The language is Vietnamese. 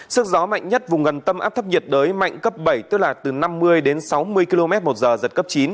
sức gió mạnh nhất vùng gần tâm áp thấp nhiệt đới mạnh cấp bảy tức là từ năm mươi đến sáu mươi km một giờ giật cấp chín